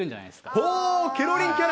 ほぉ、ケロリンキャラ？